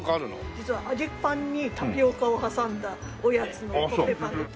実は揚げパンにタピオカを挟んだおやつのコッペパンが。